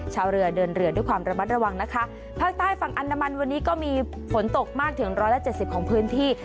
ชาวเรือเดินเรือด้วยความระมัดระวังนะคะภาคใต้ฝั่งอันดามันวันนี้ก็มีฝนตกมากถึงร้อยละเจ็ดสิบของพื้นที่